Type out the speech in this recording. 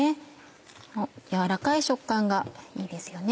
柔らかい食感がいいですよね。